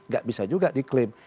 gak bisa juga diklaim